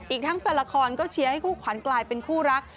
อีกทั้งแฟนละครก็เชียร์ให้คู่ขวัญกลายเป็นคู่รัก